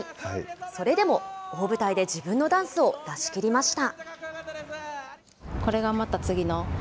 それでも大舞台で自分のダンスを出し切りました。